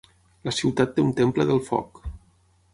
La ciutat té un temple del Foc.